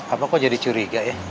apa kok jadi curiga ya